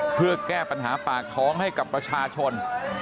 เพื่อแก้ปัญหาปากท้องให้กับประชาชน